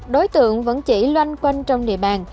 đối tượng vẫn chỉ loanh quanh trong địa bàn